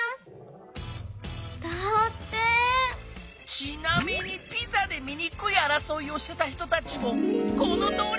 ちなみにピザでみにくいあらそいをしてた人たちもこのとおり！